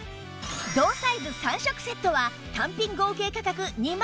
同サイズ３色セットは単品合計価格